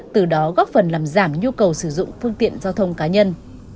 từ đó góp phần làm giảm nhu cầu sử dụng phương tiện giao thông cá nhân